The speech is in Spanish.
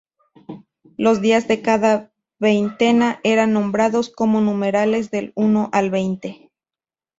Los días de cada veintena eran nombrados con numerales del uno al veinte.